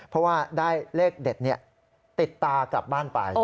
เพราะว่าได้เลขเด็ดติดตากลับบ้านไป